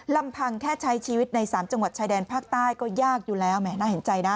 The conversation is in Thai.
ลำพังแค่ใช้ชีวิตในสามจังหวัดชายแดนภาคใต้ก็ยากอยู่แล้วแหมน่าเห็นใจนะ